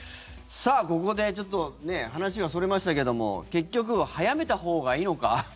さあ、ここで話はそれましたけども結局は早めたほうがいいのか。